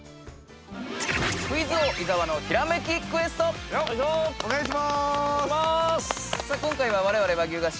◆「クイズ王・伊沢のひらめきクエスト」◆よっ！